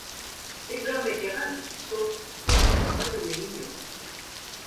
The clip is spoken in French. Les hommes étaient ravis, sauf deux ou trois de mes mignons.